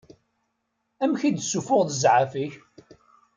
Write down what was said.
Amek i d-ssufuɣeḍ zɛaf-ik?